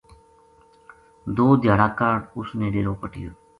دو دھیاڑا کاہڈ اس نے ڈیرو پَٹیو